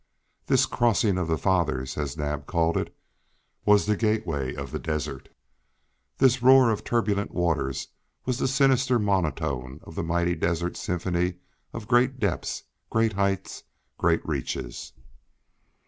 This "Crossing of the Fathers," as Naab called it, was the gateway of the desert. This roar of turbulent waters was the sinister monotone of the mighty desert symphony of great depths, great heights, great reaches.